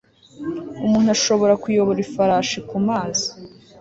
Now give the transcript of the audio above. Umuntu arashobora kuyobora ifarashi kumazi